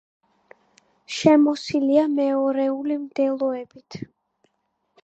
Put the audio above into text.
შემოსილია მეორეული მდელოებით.